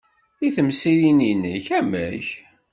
I temsirin-nnek, amek?